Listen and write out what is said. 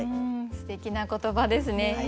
すてきな言葉ですね。